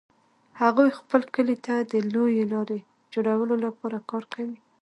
هغوی خپل کلي ته د لویې لارې جوړولو لپاره کار کوي